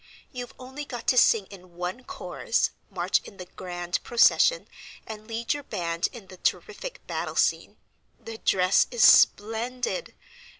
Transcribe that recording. You've only got to sing in one chorus, march in the grand procession, and lead your band in the terrific battle scene. The dress is splendid!